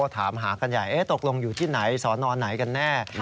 ถามหากันใหญ่ตกลงอยู่ที่ไหนสนไหนกันแน่